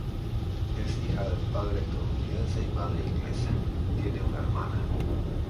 Es hija de padre estadounidense y madre inglesa; tiene una hermana.